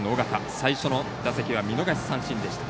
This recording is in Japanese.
最初の打席は見逃し三振でした。